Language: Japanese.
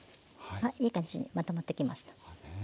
あいい感じにまとまってきました。